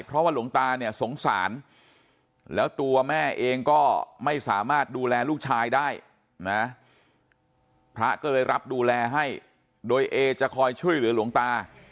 เพราะว่าหลวงตาเนี่ยสงสารแล้วตัวแม่เองก็ไม่สามารถดูแลลูกชายได้นะพระก็เลยรับดูแลให้โดยเอจะคอยช่วยเหลือหลวงตา